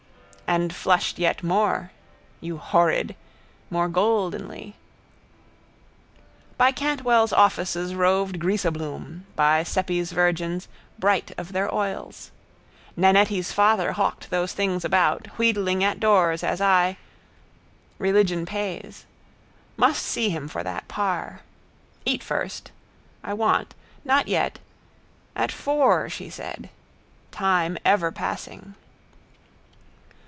And flushed yet more (you horrid!), more goldenly. By Cantwell's offices roved Greaseabloom, by Ceppi's virgins, bright of their oils. Nannetti's father hawked those things about, wheedling at doors as I. Religion pays. Must see him for that par. Eat first. I want. Not yet. At four, she said. Time ever passing.